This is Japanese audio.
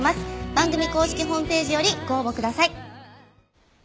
番組公式ホームページよりご応募ください。